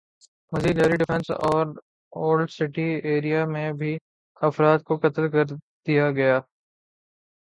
مزید لیاری ڈیفنس اور old city area میں بھی افراد کو قتل کر دیا گیا